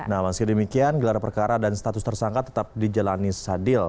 nah meski demikian gelar perkara dan status tersangka tetap dijalani sadil